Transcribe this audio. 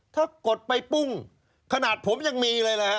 ถ้ากดไปปุ้งขนาดผมยังมีเลยนะฮะ